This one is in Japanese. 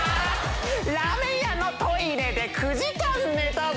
ラーメン屋のトイレで９時間寝たぜ